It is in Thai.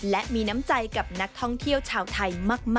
โปรดติดตามตอนต่อไป